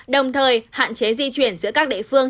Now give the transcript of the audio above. đồng thời hạn chế di chuyển giữa các địa phương